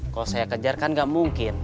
kalau saya kejar kan gak mungkin